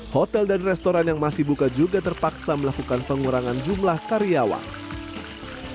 hotel dan restoran yang masih buka juga terpaksa melakukan pengurangan jumlah karyawan